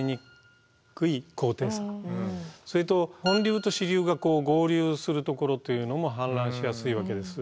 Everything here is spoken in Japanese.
それと本流と支流が合流するところというのも氾濫しやすいわけです。